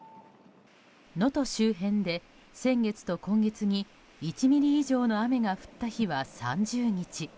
能登周辺で先月と今月に１ミリ以上の雨が降った日は３０日。